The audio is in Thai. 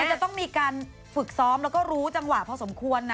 จะต้องมีการฝึกซ้อมแล้วก็รู้จังหวะพอสมควรนะ